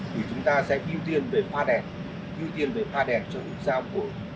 thì chúng ta sẽ ưu tiên về pha đèn ưu tiên về pha đèn cho nút sao cổ